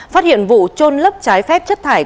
phát hiện vụ trôn lấp trái phép chất thải